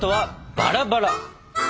バラバラ？